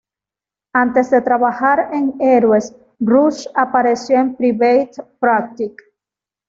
Antes de trabajar en "Heroes", Rush apareció en "Private Practice".